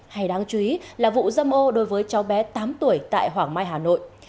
hay đáng chú ý là vụ dâm ô đối với cháu bé tám tuổi tại hoàng mai hà nội